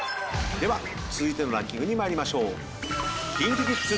では続いてのランキングに参りましょう。